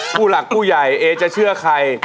ผู้หลักผู้ใหญ่เอจะเชื่อใคร